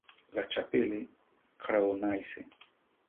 La Chapelle-Craonnaise